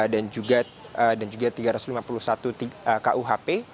dan juga tiga ratus lima puluh satu kuhp